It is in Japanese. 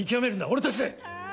俺たちで！